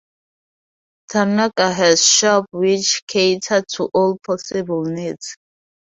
Tarnaka has shops which cater to all possible needs.